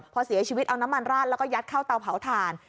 พอเสียชีวิตเอาน้ำมันราดแล้วก็ยัดเข้าเตาเผาถ่าน